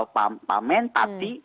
pak men pati